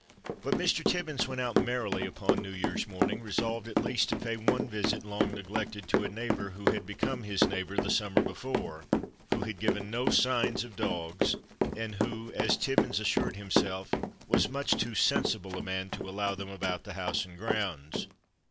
But Mr. Tibbins went out merrily upon New Year's morning, resolved at least to pay one visit long neglected to a neighbor who had become his neighbor the summer before, who had given no signs of dogs, and who, as Tibbins assured himself, was much too sensible a man to allow them about the house and grounds.